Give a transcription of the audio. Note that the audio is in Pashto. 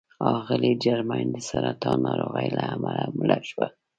اغلې جرمین د سرطان ناروغۍ له امله مړه شوه.